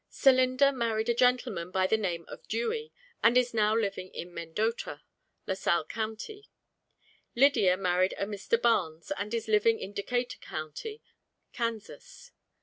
Celinda married a gentleman by the name of Dewey, and is now living in Mendota, La Salle county. Lydia married a Mr. Barnes, and is living in Decatur county, Kansas.